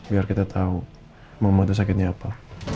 biar kita tau mama itu sakitnya apa